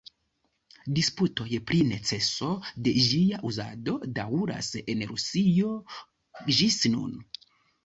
Disputoj pri neceso de ĝia uzado daŭras en Rusio ĝis nun.